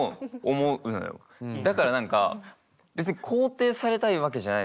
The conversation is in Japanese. だから何か別に肯定されたいわけじゃないのに。